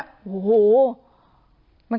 สวิ๊บ